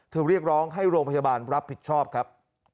เรียกร้องให้โรงพยาบาลรับผิดชอบครับ